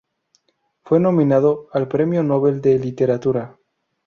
Fue nominado al premio Nobel de Literatura.